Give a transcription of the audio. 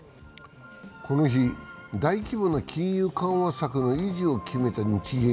この日、大規模な金融緩和策の維持を決めた日銀。